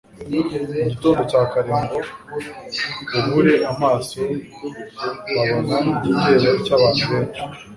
mu gitondo cya kare, ngo bubure amaso babona igitero cy'abantu benshi